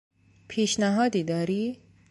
پیشنهادی داری؟